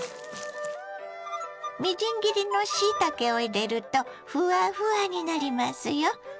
みじん切りのしいたけを入れるとフワフワになりますよ。